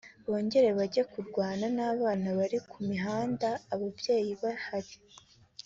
bongere bajye kurwana n’abana bari ku mihanda ababyeyi bahari